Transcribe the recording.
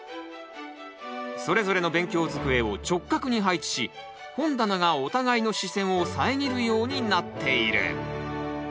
それぞれの勉強机を直角に配置し本棚がお互いの視線を遮るようになっている。